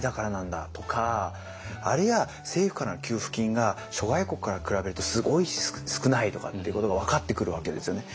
あるいは政府からの給付金が諸外国から比べるとすごい少ないとかってことが分かってくるわけですよね。